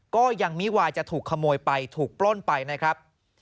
ก็ยังมิวาจะถูกขโมยไปถูกปล้นไปนะครับ